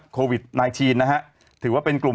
โควิด๑๙นะฮะถือว่าเป็นกลุ่ม